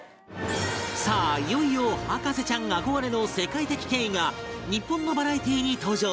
さあ、いよいよ博士ちゃん憧れの世界的権威が日本のバラエティに登場！